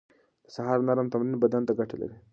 د سهار نرم تمرين بدن ته ګټه لري.